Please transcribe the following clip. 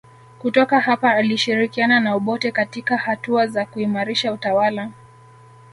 Kutoka hapa alishirikiana na Obote katika hatua za kuimarisha utawala